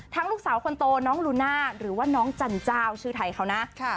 ลูกสาวคนโตน้องลูน่าหรือว่าน้องจันเจ้าชื่อไทยเขานะ